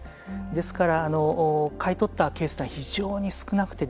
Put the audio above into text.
ですから、買い取ったケースは非常に少なくて